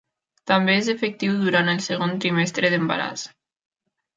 També és efectiu durant el segon trimestre d'embaràs.